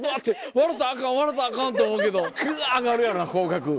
笑うたらあかん笑うたらあかんと思うけどグワ上がるやろうな口角。